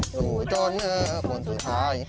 ไม่ยอมสะยกสู่จนคนสุดท้าย